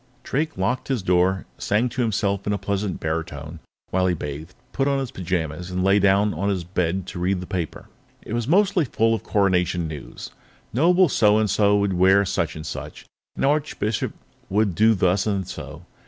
Drake locked his door, sang to himself in a pleasant baritone while he bathed, put on his pajamas, and lay down on his bed to read the paper. It was mostly full of Coronation news. Noble So and So would wear such and such, the Archbishop would do thus and so.